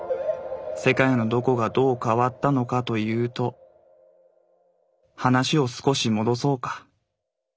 世界のどこがどう変わったのかというと話を少し戻そうか。